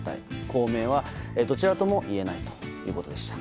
公明は、どちらとも言えないということでした。